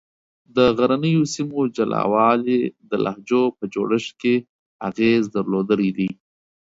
د غرنیو سیمو جلا والي د لهجو په جوړښت کې اغېز درلودلی دی.